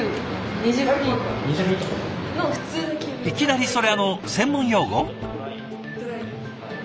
いきなりそれあの専門用語？